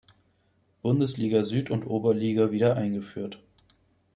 Bundesliga Süd und Oberliga wieder eingeführt.